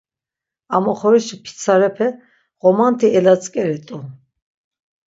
Am oxorişi pitsarepe ğomanti elatzk̆erit̆u.